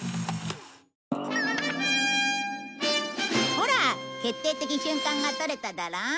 ほら決定的瞬間が撮れただろ？